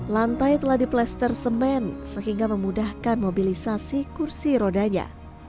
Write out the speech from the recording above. lantai telah diplaster semen sehingga memudahkan mobilisasi kursi rodanya